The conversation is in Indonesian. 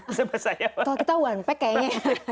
kalau kita one pack kayaknya